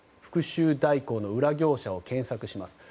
復讐代行の裏業者を検索します。